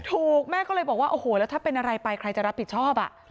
แม่ก็เลยบอกว่าโอ้โหแล้วถ้าเป็นอะไรไปใครจะรับผิดชอบ